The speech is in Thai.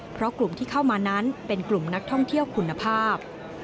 เพราะกลุ่มที่เข้ามานั้นเป็นกลุ่มนักท่องเที่ยวคุณภาพ